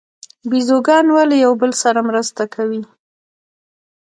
بیزوګان ولې یو بل سره مرسته کوي؟